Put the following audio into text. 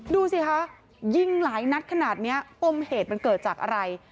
ดูสิคะยิงหลายนัดขนาดนี้ปมเหตุมันเกิดจากอะไร